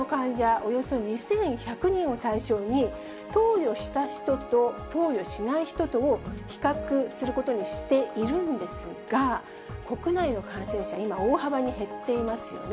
およそ２１００人を対象に、投与した人と投与しない人とを比較することにしているんですが、国内の感染者、今、大幅に減っていますよね。